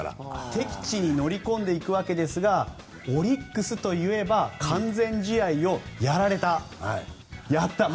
敵地に乗り込んでいくわけですがオリックスといえば完全試合をやられた。